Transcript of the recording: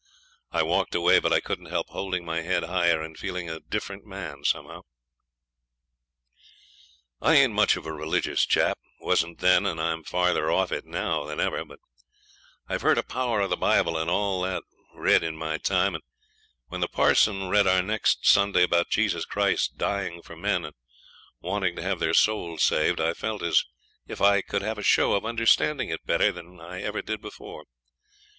I walked away, but I couldn't help holding my head higher, and feeling a different man, somehow. I ain't much of a religious chap, wasn't then, and I am farther off it now than ever, but I've heard a power of the Bible and all that read in my time; and when the parson read out next Sunday about Jesus Christ dying for men, and wanting to have their souls saved, I felt as if I could have a show of understanding it better than I ever did before.